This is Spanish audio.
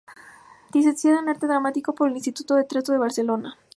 Licenciada en Arte Dramático por el Instituto de Teatro de Barcelona.